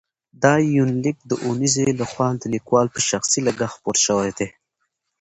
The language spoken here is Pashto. دا یونلیک د اونیزې له خوا د لیکوال په شخصي لګښت خپور شوی دی.